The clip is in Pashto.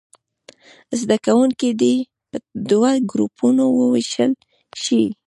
زده کوونکي دې په دوو ګروپونو ووېشل شي.